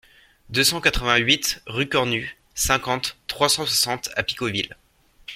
deux cent quatre-vingt-huit rue Cornu, cinquante, trois cent soixante à Picauville